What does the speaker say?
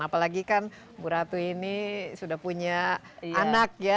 apalagi kan bu ratu ini sudah punya anak ya